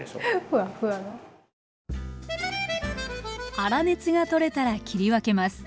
粗熱が取れたら切り分けます。